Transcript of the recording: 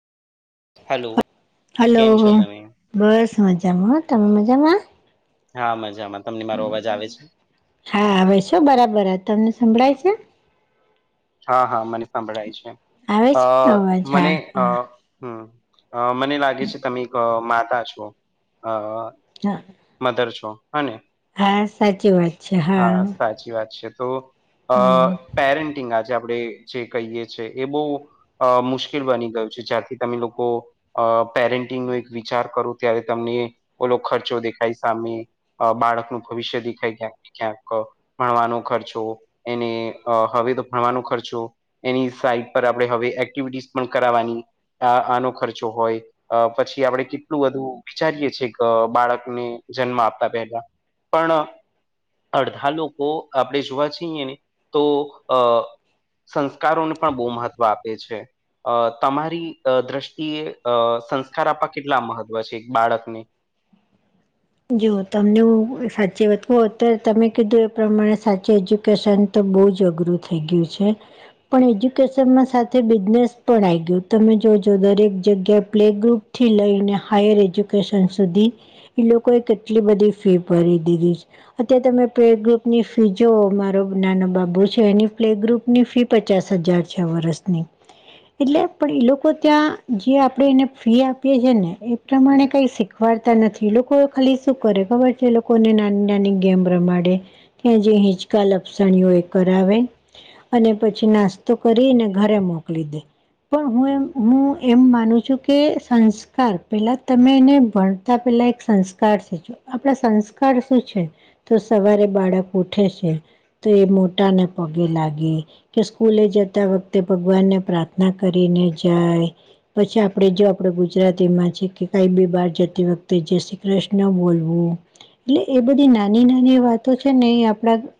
Hello hello કેમ છો તમે બસ મજામાં તમે મજામાં? હા મજામાં. તમને મારો અવાજ આવે છે હા હવે શું બરાબર તમને હમ. સંભળાય છે? હા હા મને સાંભળાય છે આવે અ છે અવાજ મને હા અ હા હમ. અ મને લાગે છે તમે એક માતા છો અ હા. મદર છો અને હા સાચી વાત છે હા સાચી વાત છે તો હમ પેરેન્ટિંગ આજે આપણે જે કહીએી એ બહ અ મુશ્કેલ બની ગયું છે જ્યાારથી તમે લોકો અ પેરેન્ટિંગ ન એક વિચાર કરું ત્યારે તમને ઓલો ખર્ચો દેખાય સામે બાળકનુંું ભવિષ્ય દેખાય ક્યાંક ક્યાંક ભણવાનો ખર્ચો એને હવે તો ભણવાનો ખર્ચો એની સાઈટ પર આપણે હવે એક્ટિવિટીસ પણ કરાવવાની આ આનો ખર્ચો હોય અ પછી આપડે કેટલું બધું વિચારીએ છીએ કે બાળકને જન્મ આપતા પહેલા પણ અડધા લોકો આપણે જોવા જઈએ ને તો અ સંસ્કારોને પણ બહુ મહત્ત્વ આપે છે અ તમારી દ્રષ્ટિએ અ સંસ્કાર આપવા કેટલા મહત્વ છે એક બાળકને જો તમને હું સાચી વાત કહ અત્યારે તમે કીધું એ પ્રમાણે સાચી એજ્યુકેશન તો બહુ જ અઘરું થઈ ગયું છે પણ એજ્યુકેશનમાં સાથે બિઝનેસ પણ આવી ગયું તમે જોજો દરેક જગ્યાએ પ્લે ગ્રુપ થી લઈને હાયર એજ્યુકેશન સુધી એ લોકો એ કેટલી બધી ફી ભરી દીધી છે અત તમે પ્લે ગ્રુપની ફી જો મારો નાનો બાબુ છે એની પ્લે ગ્રુપ ની ફી પચાસ હજાર છ વરસની એટલે પણ એ લોકો ત્યાં જે આપણેે એને ફી આપીએ છેીએ ને એ પ્રમાણે કઈ શીખવાડતા નથી એ લોકો ખાલી શું કરે ખબર છે એ લોકોને નાની નાની ગેમ રમાડે કે્યા જે હિંચકાલ અપસાણીઓ એ કરાવે અને પછી નાસ્તો કરીને ઘરે મોકલી દે પણ હું એમ હું એમ માનું છું કે સંસ્કાર પેલા તમેને ભણતા પેલા સંસ્કાર છે આપણા સંસ્કાર શું છે તો સવારે બાળક ઉઠે છે તો એ મોટા ને પગે લાગે કે સ્કૂલે જતા વખતે ભગવાનને પ્રાર્થના કરીને જાય પછી આપડે જો આપડ ગુજરાતીમાં છે કે કઈ બેી બાર જતી વખતે જશે પ્રશ્ન બોલવું એટલે એ બધી નાની નાની વાતો છે ને એ આપડા